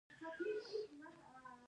دا د شایسته او لایقو کادرونو جذب دی.